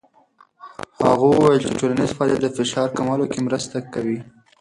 هغه وویل چې ټولنیز فعالیت د فشار کمولو کې مرسته کوي.